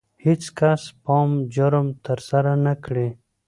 هیڅ کس باید جرم ترسره نه کړي.